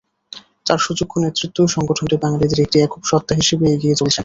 তার সুযোগ্য নেতৃত্বেই সংগঠনটি বাঙালিদের একটি একক সত্তা হিসেবে এগিয়ে চলছে।